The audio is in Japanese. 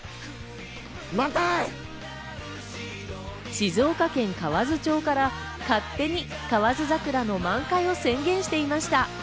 静岡県河津町から勝手に河津桜の満開を宣言していました。